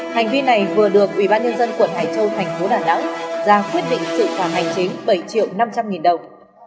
hành vi này vừa được ubnd tp đà nẵng ra quyết định sự phản hành chính bảy triệu năm trăm linh nghìn đồng